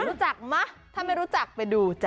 รู้จักมั้ยถ้าไม่รู้จักไปดูจ้